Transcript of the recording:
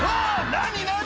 ⁉何何！